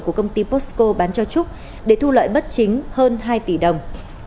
của công ty posco bán cho trúc để thu lợi bất chính hơn hai tỷ đồng